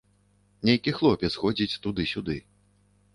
Нейкі хлопец ходзіць туды-сюды.